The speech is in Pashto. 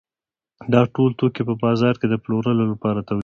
دا ټول توکي په بازار کې د پلورلو لپاره تولیدېږي